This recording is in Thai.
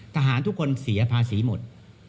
ทหารทุกคนเสียภาษีหมด